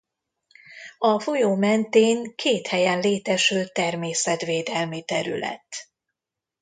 A folyó mentén két helyen létesült természetvédelmi terület.